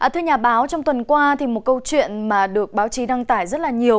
thưa nhà báo trong tuần qua một câu chuyện được báo chí đăng tải rất nhiều